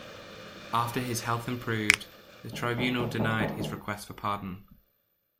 After his health improved, the tribunal denied his request for pardon.